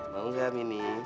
mau gak mini